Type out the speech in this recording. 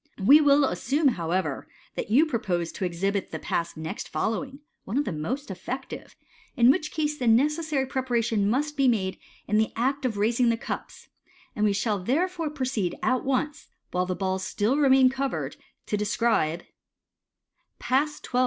We will assume, however, that you propose to exhibit the Pass next following (one of the most effective), in which case the necessary preparation must be made in the act of raising the cups } and we shall therefore proceed at once, while the balls still remain covered, to describe Pass XII.